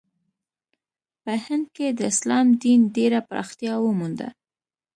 په هند کې د اسلام دین ډېره پراختیا ومونده.